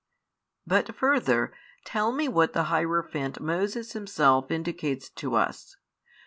But further, tell me what the hierophant Moses himself indicates to us.